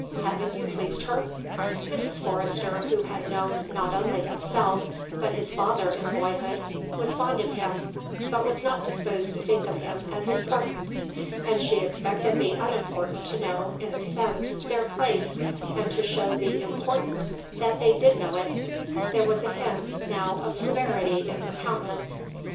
Haven't you pleased her?" Mrs. Forrester, who had known not only himself, but his father in boyhood, was fond of him, but was not disposed to think of him as important. And she expected the unimportant to know, in a sense, their place and to show the important that they did know it. There was a hint, now, of severity, in her countenance.